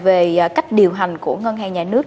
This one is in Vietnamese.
về cách điều hành của ngân hàng nhà nước